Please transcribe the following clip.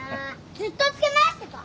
ずっとつけ回してた！